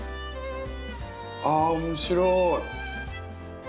あ面白い。